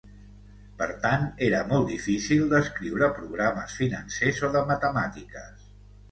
Per tant era molt difícil d'escriure programes financers o de matemàtiques.